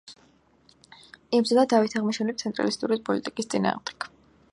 იბრძოდა დავით აღმაშენებლის ცენტრალისტური პოლიტიკის წინააღმდეგ.